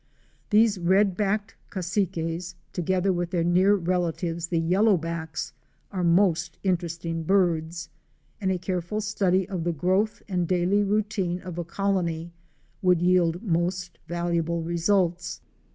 These Red backed Cassiques *' together with their near relatives the Yellow backs"* are most interesting birds, and a careful study of the growth and daily routine of a colony would yield most valuable results.